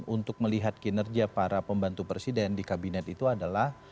untuk melihat kinerja para pembantu presiden di kabinet itu adalah